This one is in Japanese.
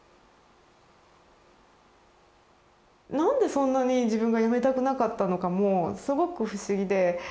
なんでそんなに自分がやめたくなかったのかもすごく不思議で。